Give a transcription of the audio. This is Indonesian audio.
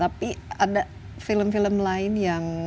tapi ada film film lain yang